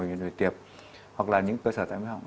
hoặc là những cơ sở tài mỹ họng